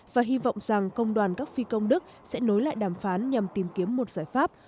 và hy vọng rằng công đoàn các phi công đức sẽ nối lại đàm phán nhằm tìm kiếm một giải pháp